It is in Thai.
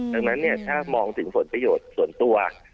ดังนั้นถ้ามองถึงผลประโยชน์ส่วนตัว